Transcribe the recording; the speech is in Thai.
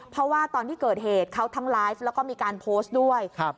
เพราะว่าตอนที่เกิดเหตุเขาทั้งไลฟ์แล้วก็มีการโพสต์ด้วยครับ